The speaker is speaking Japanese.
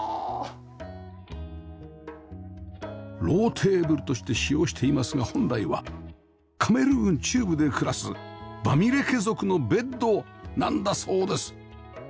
ローテーブルとして使用していますが本来はカメルーン中部で暮らすバミレケ族のベッドなんだそうです